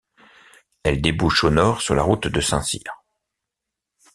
Elle débouche au nord sur la Route de Saint-Cyr.